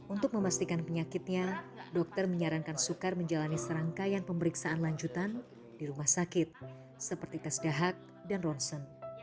untuk memastikan penyakitnya dokter menyarankan sukar menjalani serangkaian pemeriksaan lanjutan di rumah sakit seperti tes dahak dan ronsen